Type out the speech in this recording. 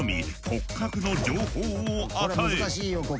骨格の情報を与え。